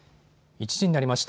１時になりました。